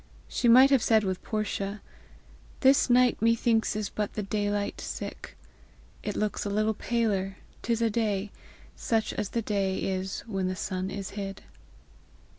She might have said with Portia: "This night methinks is but the daylight sick; It looks a little paler: 'tis a day, Such as the day is when the sun is hid."